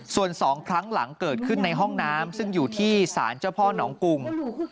ส่วน๒ครั้งหลังเกิดขึ้นในห้องน้ำซึ่งอยู่ที่ศาลเจ้าพ่อหนองกุง